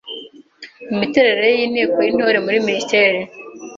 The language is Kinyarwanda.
Imiterere y’Inteko y’Intore muri Minisiteri